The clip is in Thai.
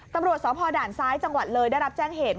ตำรวจสพด่านซ้ายจังหวัดเลยได้รับแจ้งเหตุ